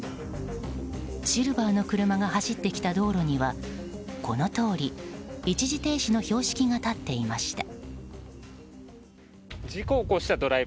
シルバーの車が走ってきた道路には、このとおり一時停止の標識が立っていました。